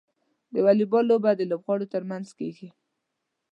د واليبال لوبه د لوبغاړو ترمنځ کیږي.